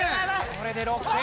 これで６点。